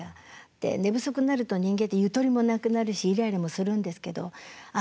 で寝不足になると人間ってゆとりもなくなるしイライラもするんですけどあ